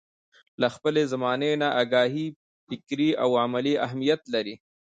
له خپلې زمانې نه اګاهي فکري او عملي اهميت لري.